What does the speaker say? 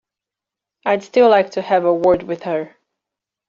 I'd still like to have a word with her.